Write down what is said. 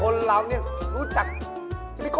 คนเรานี่รู้จักพี่พิโก้